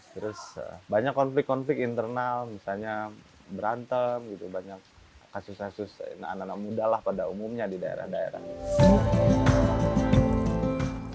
terus banyak konflik konflik internal misalnya berantem gitu banyak kasus kasus anak anak muda lah pada umumnya di daerah daerah